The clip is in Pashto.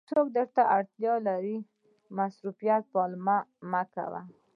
که یو څوک درته اړتیا لري مصروفیت پلمه مه کوئ.